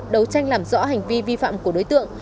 đấu tranh làm rõ hành vi vi phạm của đối tượng